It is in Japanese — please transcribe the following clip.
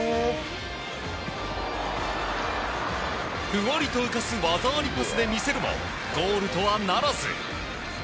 ふわりと浮かす技ありパスで魅せるもゴールとはならず。